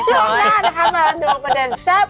ช่วยหน้านะคะมาเรียนดูประเด็นแซ่ป